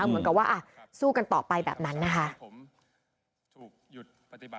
เหมือนกับว่าสู้กันต่อไปแบบนั้นนะคะ